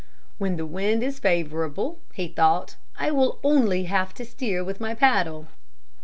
"When the wind is favorable," he thought, "I will only have to steer with my paddle."